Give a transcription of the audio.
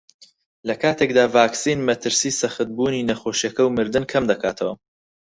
لەکاتێکدا ڤاکسین مەترسیی سەختبوونی نەخۆشییەکە و مردن کەمدەکاتەوە